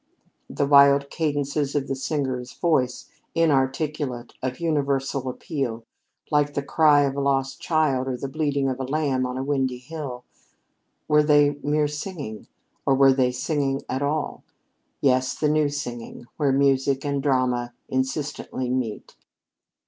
The wild cadences of the singer's voice, inarticulate, of universal appeal, like the cry of a lost child or the bleating of a lamb on a windy hill, were they mere singing? Or were they singing at all? Yes, the new singing, where music and drama insistently meet.